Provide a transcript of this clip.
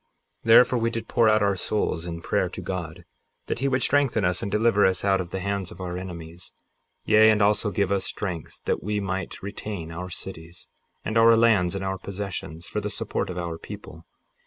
58:10 Therefore we did pour out our souls in prayer to God, that he would strengthen us and deliver us out of the hands of our enemies, yea, and also give us strength that we might retain our cities, and our lands, and our possessions, for the support of our people.